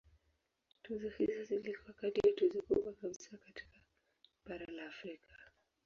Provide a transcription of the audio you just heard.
Tuzo hizo zilikuwa kati ya tuzo kubwa kabisa katika bara la Afrika.